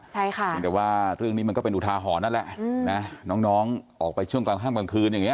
ใช่ค่ะเพียงแต่ว่าเรื่องนี้มันก็เป็นอุทาหรณ์นั่นแหละนะน้องน้องออกไปช่วงกลางข้างกลางคืนอย่างเง